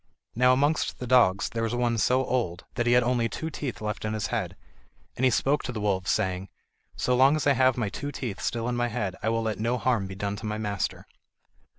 Now amongst the dogs there was one so old that he had only two teeth left in his head, and he spoke to the wolves, saying: "So long as I have my two teeth still in my head, I will let no harm be done to my master."